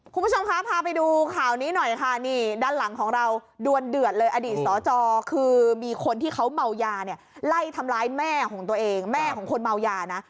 คุณผู้ชมคะพาไปดูข่าวนี้หน่อยค่ะนี่ด้านหลังของเราดวนเดือดเลยอดีตสจคือมีคนที่เขาเมายาเนี่ยไล่ทำร้ายแม่ของตัวเองแม่ของคนเมายานะ